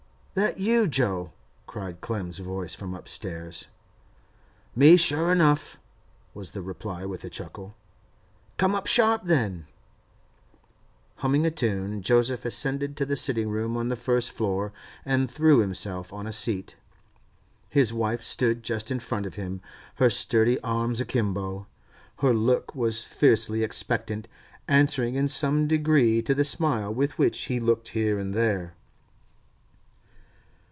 'That you, Jo?' cried Clem's voice from upstairs. 'Me, sure enough,' was the reply, with a chuckle. 'Come up sharp, then.' Humming a tune, Joseph ascended to the sitting room on the first floor, and threw himself on a seat. His wife stood just in front of him, her sturdy arms a kimbo; her look was fiercely expectant, answering in some degree to the smile with which he looked here and there.